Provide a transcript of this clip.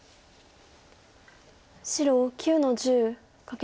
白９の十カケツギ。